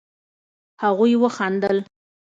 هغوئ وخندل.